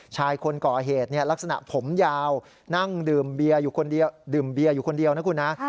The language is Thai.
ชายคนก่อเหตุลักษณะผมยาวนั่งดื่มเบียร์อยู่คนเดียวดื่มเบียร์อยู่คนเดียวนะคุณนะ